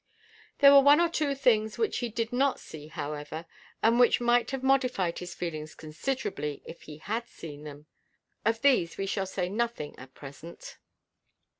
There were one or two things which he did not see, however, and which might have modified his feelings considerably if he had seen them. Of these we shall say nothing at present.